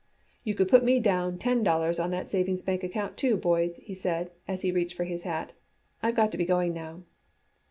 "You could put me down ten dollars on that savings bank account, too, boys," he said as he reached for his hat. "I've got to be going now."